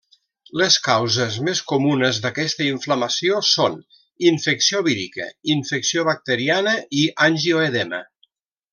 Les causes més comunes d'aquesta inflamació són: infecció vírica, infecció bacteriana i angioedema.